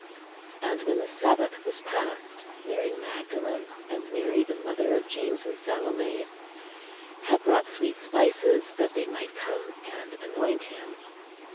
_' "'And when the Sabbath was past, Mary Magdalene and Mary the mother of James and Salome, had bought sweet spices that they might come and anoint him.'"